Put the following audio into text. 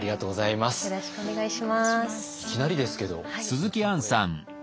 いきなりですけど鈴木さんこれ。